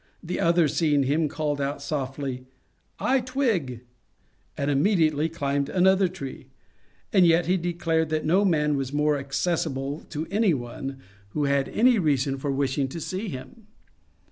The other, seeing him, called out softly, ^* I twig I " and immediately climbed another tree. And yet he declared that no man was more accessible to any one who had any A VISIT TO TENNYSON 35 reason for wishing to see him.